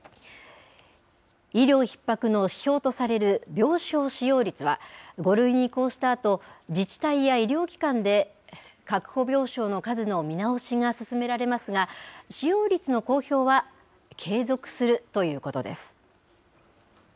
医療ひっ迫の指標とされる病床使用率は、５類に移行したあと、自治体や医療機関で確保病床の数の見直しが進められますが、使用率の公表は継続するということです。